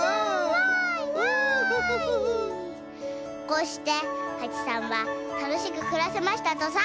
こうしてはちさんはたのしくくらせましたとさ。